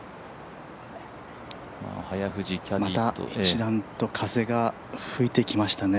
また一段と風が吹いてきましたね。